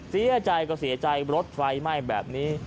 เสียใจก็เสียใจรถไฟไหม้แบบนี้